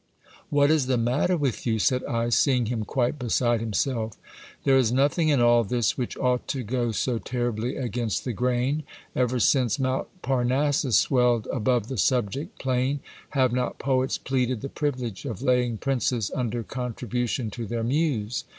What is the matter with you? said I, seeing him quite beside himself. There is nothing in all this which ought to go so terribly against the grain. Ever since Mount Parnassus swelled above the subject plain, have not poets pleaded the privilege of laying princes under contribution to their muse